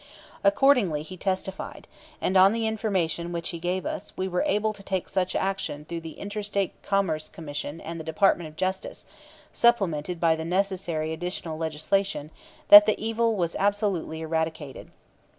Accordingly he testified, and on the information which he gave us we were able to take such action through the Inter State Commerce Commission and the Department of Justice, supplemented by the necessary additional legislation, that the evil was absolutely eradicated.